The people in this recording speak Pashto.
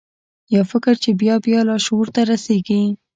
یو فکر چې بیا بیا لاشعور ته رسیږي